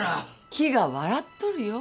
木が笑っとるよ。